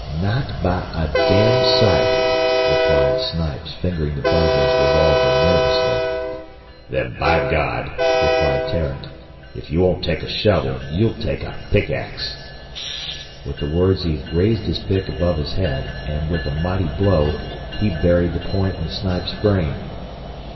"Not by a damned sight," replied Snipes, fingering the butt of his revolver nervously. "Then, by God," replied Tarrant, "if you won't take a shovel you'll take a pickax." With the words he raised his pick above his head, and, with a mighty blow, he buried the point in Snipes' brain.